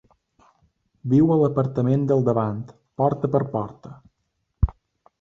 Viu a l'apartament del davant, porta per porta.